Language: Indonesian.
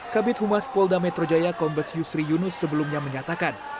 kabit humas polda metro jaya kombes yusri yunus sebelumnya menyatakan